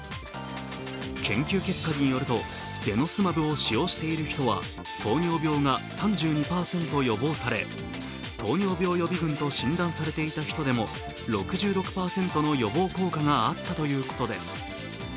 研究結果によると、デノスマブを使用している人は糖尿病が３２％予防され、糖尿病予備群と診断されていた人でも６６％の予防効果があったということです。